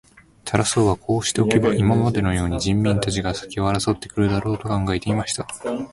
タラス王はこうしておけば、今までのように人民たちが先を争って来るだろう、と考えていました。